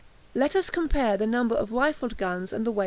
Let us compare the number of rifled guns and the weight of metal.